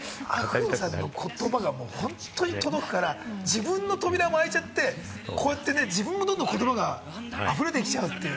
言葉が本当に届くから、自分の扉が開いちゃって、こうやって自分もどんどん言葉があふれてきちゃうっていう。